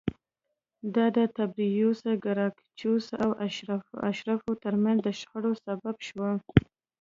دا د تبریوس ګراکچوس او اشرافو ترمنځ د شخړې سبب شوه